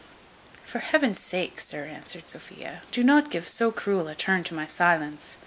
"For Heaven's sake, sir," answered Sophia, "do not give so cruel a turn to my silence.